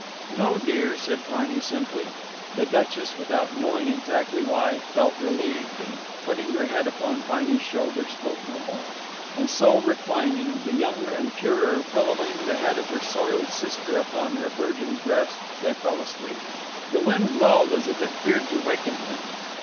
"No, dear," said Piney, simply. The Duchess, without knowing exactly why, felt relieved, and, putting her head upon Piney's shoulder, spoke no more. And so reclining, the younger and purer pillowing the head of her soiled sister upon her virgin breast, they fell asleep. The wind lulled as if it feared to waken them.